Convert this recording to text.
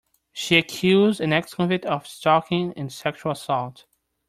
She accused an ex-convict of stalking and sexual assault.